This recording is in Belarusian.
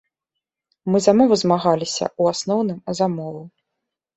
Мы за мову змагаліся, у асноўным, за мову.